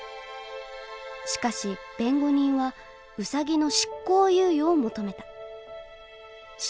しかし弁護人はウサギの執行猶予を求めた。